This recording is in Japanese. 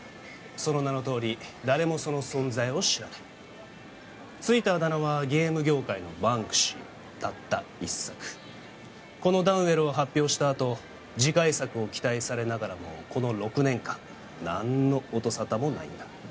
その名のとおり誰もその存在を知らないついたあだ名はゲーム業界のバンクシーたった一作このダウンウェルを発表したあと次回作を期待されながらもこの６年間何の音沙汰もないんだ